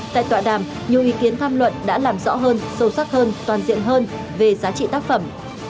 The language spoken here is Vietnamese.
tại tọa đàm nhiều ý kiến tham luận đã làm rõ hơn sâu sắc hơn toàn diện hơn về giá trị tác phẩm